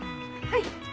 はい！